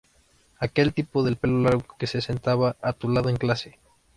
aquel tipo del pelo largo que se sentaba a tu lado en clase